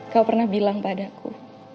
kau pernah bilang padaku